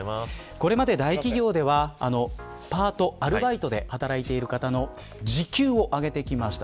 これまで大企業ではパート、アルバイトで働いている方の時給を上げてきました。